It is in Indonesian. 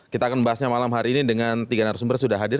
kita akan membahasnya malam hari ini dengan tiga narasumber sudah hadir